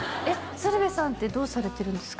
鶴瓶さんってどうされてるんですか？